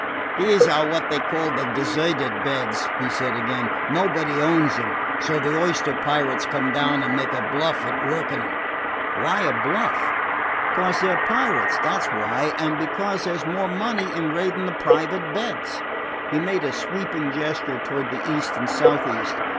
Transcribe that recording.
"These are what they call the deserted beds," he said again. "Nobody owns them, so the oyster pirates come down and make a bluff at working them." "Why a bluff?" "'Cause they 're pirates, that 's why, and because there 's more money in raiding the private beds." He made a sweeping gesture toward the east and southeast.